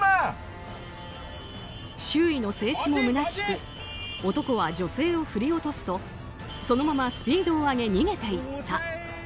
周囲の制止もむなしく男は女性を振り落すとそのままスピードを上げ逃げていった。